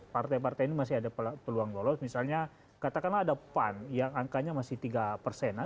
partai partai ini masih ada peluang lolos misalnya katakanlah ada pan yang angkanya masih tiga persenan